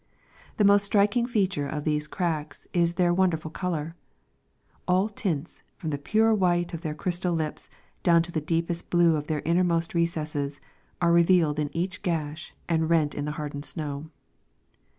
The most striking feature of these cracks is their wonderful color. All tints, from the pure white of their crystal lips down to the deep est blue of their innermost recesses, are revealed in each gash and rent in the hardened snow.